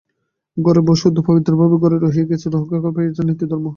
ঘরের বৌ শুদ্ধ ও পবিত্রভাবে ঘরেই রহিয়া গিয়াছে, রক্ষা পাইয়াছে নীতি ও ধর্ম।